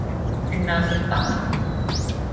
ขึ้นหน้าขึ้นตา